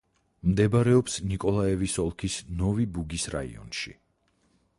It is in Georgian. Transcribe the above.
მდებარეობს ნიკოლაევის ოლქის ნოვი-ბუგის რაიონში.